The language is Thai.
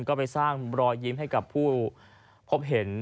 ก็ไปสร้างรอยยิ้มให้กับผู้พบเห็น